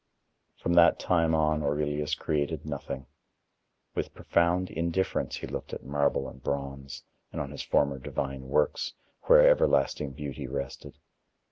From that time on Aurelius created nothing. With profound indifference he looked at marble and bronze, and on his former divine works, where everlasting beauty rested.